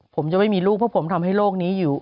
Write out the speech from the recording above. ผมจะไม่มีลูกเพราะผมทำให้โลกนี้อยู่